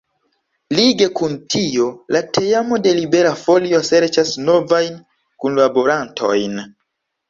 Lige kun tio, la teamo de Libera Folio serĉas novajn kunlaborantojn.